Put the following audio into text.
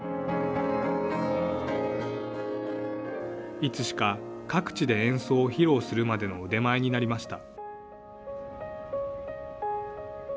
いつしか、各地で演奏を披露するまでの腕前になりました。